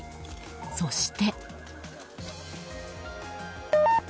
そして。